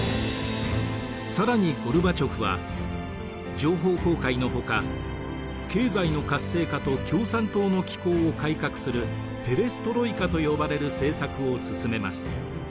更にゴルバチョフは情報公開のほか経済の活性化と共産党の機構を改革するペレストロイカと呼ばれる政策を進めます。